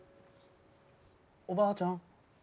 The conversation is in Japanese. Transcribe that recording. おばあちゃん？